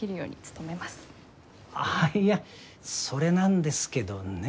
ああいやそれなんですけどね。